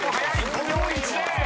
［５秒１０！］